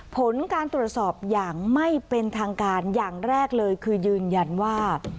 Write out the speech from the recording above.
ผลการตรวจสอบอย่างไม่เป็นทางการอย่างแรกเลยคือยืนยันว่า